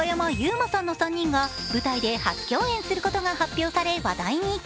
馬さんの３人が舞台で初共演することが発表され、話題に。